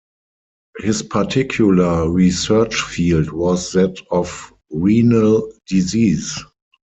His particular research field was that of renal disease.